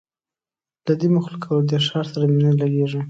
له دې مخلوق او له دې ښار سره مي نه لګیږي